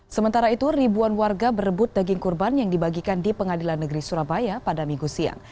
sementara itu ribuan warga berebut daging kurban yang dibagikan di pengadilan negeri surabaya pada minggu siang